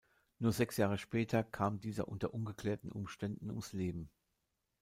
Nur sechs Jahre später kam dieser unter ungeklärten Umständen ums Leben.